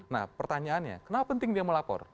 nah pertanyaannya kenapa penting dia melapor